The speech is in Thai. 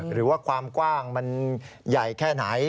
หรือว่าความกว้างมันใหญ่แค่ไหน